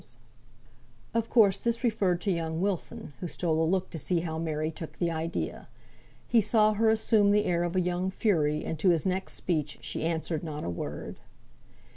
Of course this referred to young Wilson, who stole a look to see how Mary took the idea. He saw her assume the air of a young fury, and to his next speech she answered not a word.